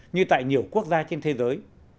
như tại nhiều quốc gia trên thế giới